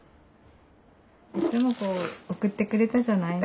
いつも送ってくれたじゃない。